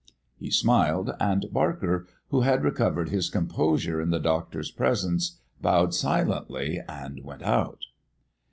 He smiled, and Barker, who had recovered his composure in the doctor's presence, bowed silently and went out.